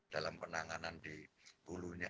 dalam penanganan di bulunya